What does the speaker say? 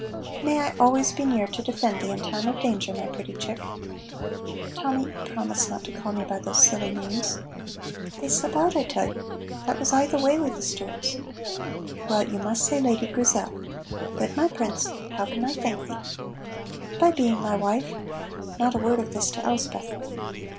"May I always be near to defend thee in time of danger, my pretty chick." ("Tommy, you promised not to call me by those silly names.") ("They slip out, I tell you. That was aye the way wi' the Stuarts.") ("Well, you must say 'Lady Grizel.') Good, my prince, how can I thank thee?" "By being my wife. (Not a word of this to Elspeth.)"